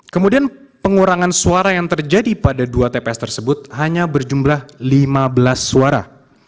kemudian pengurangan suara yang terjadi pada dua tps tersebut hanya berjumlah lima belas suara